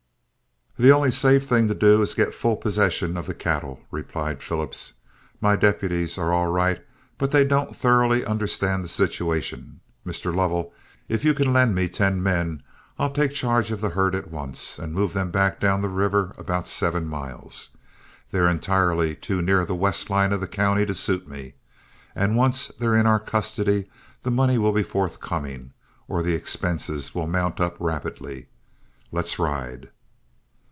"The only safe thing to do is to get full possession of the cattle," replied Phillips. "My deputies are all right, but they don't thoroughly understand the situation. Mr. Lovell, if you can lend me ten men, I'll take charge of the herd at once and move them back down the river about seven miles. They're entirely too near the west line of the county to suit me, and once they're in our custody the money will be forthcoming, or the expenses will mount up rapidly. Let's ride."